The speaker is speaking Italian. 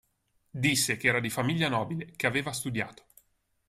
Disse che era di famiglia nobile, che aveva studiato.